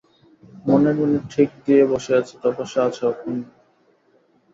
মনে মনে ঠিক দিয়ে বসে আছি, তপস্যা আছে অক্ষুণ্ন।